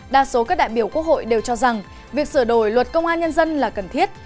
đa số các đại biểu quốc hội đều cho rằng việc sửa đổi luật công an nhân dân là cần thiết